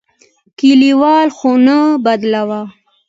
کلیوالو خوا نه بدوله.